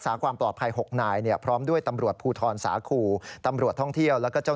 อ่าไปช่วยเอาผ้าไปคุมให้เขา